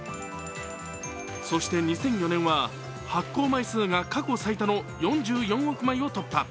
そして２００４年は発行枚数が過去最多の４４億枚を突破。